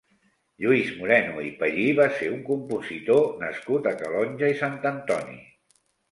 Lluís Moreno i Pallí va ser un compositor nascut a Calonge i Sant Antoni.